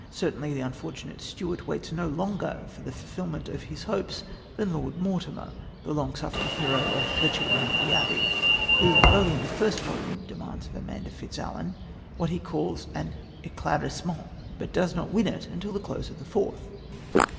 Certainly the unfortunate Stuart waits no longer for the fulfilment of his hopes than Lord Mortimer, the long suffering hero of The Children of the Abbey, who early in the first volume demands of Amanda Fitzalan, what he calls an "éclaircissement," but does not win it until the close of the fourth.